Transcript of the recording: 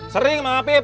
sering mak apip